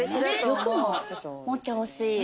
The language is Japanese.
欲も持ってほしい。